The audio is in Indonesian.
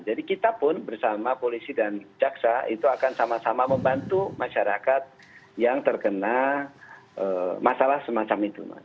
jadi kita pun bersama polisi dan jaksa itu akan sama sama membantu masyarakat yang terkena masalah semacam itu